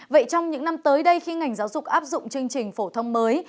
vậy trong những năm tới đây khi ngành giáo dục áp dụng chương trình phổ thông mới